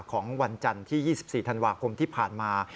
ของวันจันทร์ที่๒๔ธันวาคมที่ผ่านมา